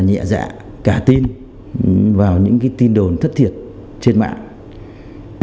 nhẹ dạ cả tin vào những tin đồn thất thiệt trên mạng